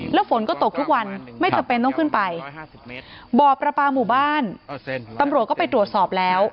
แล้วฝนก็ตกทุกวันไม่จำเป็นต้องขึ้นไปบ่อประปาหมู่บ้านตำรวจก็ไปตรวจสอบแล้ว